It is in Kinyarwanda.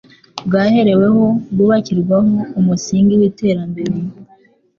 bwahereweho bwubakirwaho umusingi w'iterambere